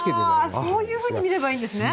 はあそういうふうに見ればいいんですね。